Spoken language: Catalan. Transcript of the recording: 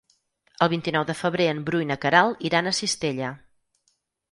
El vint-i-nou de febrer en Bru i na Queralt iran a Cistella.